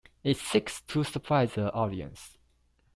It seeks to surprise the audience.